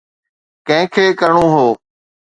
ڪنهن کي ڪرڻو هو؟